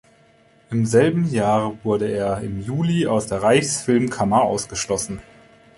Im selben Jahr wurde er im Juli aus der Reichsfilmkammer ausgeschlossen.